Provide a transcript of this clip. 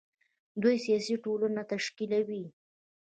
دوی سیاسي ټولنه تشکیلوي.